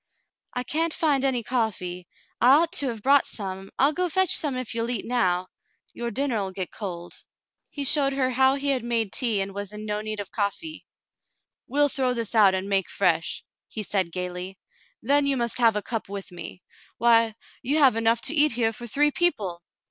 " I can't find any coffee. I ought to have brought some ; I'll go fetch some if you'll eat now. Your dinner '11 get cold." He showed her how he had made tea and was in no need of coffee. "We'll throw this out and make fresh," he said gayly. "Then you must have a cup with me. Why, you have enough to eat here for three people